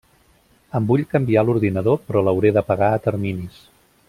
Em vull canviar l'ordinador, però l'hauré de pagar a terminis.